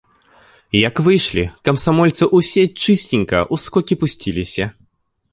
Як выйшлі, камсамольцы ўсе чысценька ў скокі пусціліся.